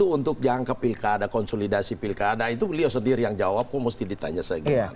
untuk jangka pilkada konsolidasi pilkada itu beliau sendiri yang jawab kok mesti ditanya saya gimana